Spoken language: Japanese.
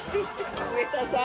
上田さん！